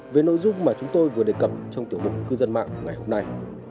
về nội dung mà chúng tôi vừa đề cập trong tiểu mục cư dân mạng ngày hôm nay